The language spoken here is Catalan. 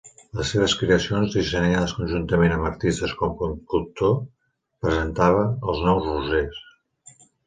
Les seves creacions, dissenyades conjuntament amb artistes com Cocteau, presentava els nous roses.